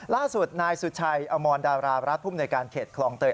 ล่าสุดนายสุชัยอมรดารารัฐภูมิในการเขตคลองเตย